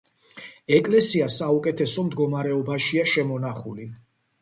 ეკლესია საუკეთესო მდგომარეობაშია შემონახული.